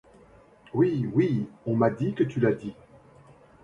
Oui, oui, on m'a dit que tu l'as dit.